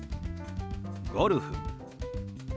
「ゴルフ」。